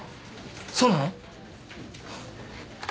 そうなの？